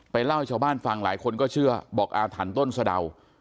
เล่าให้ชาวบ้านฟังหลายคนก็เชื่อบอกอาถรรพ์ต้นสะดาว